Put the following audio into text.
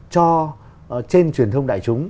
cho trên truyền thông đại chúng